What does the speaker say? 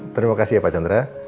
terima kasih ya pak chandra